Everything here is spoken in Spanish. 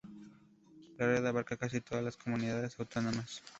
La Red abarca casi todas las Comunidades Autónomas.